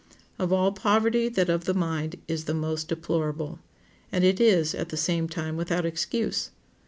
Of all poverty that of the mind is the most deplorable. And it is, at the same time, without excuse.